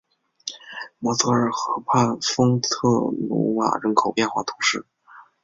摩泽尔河畔丰特努瓦人口变化图示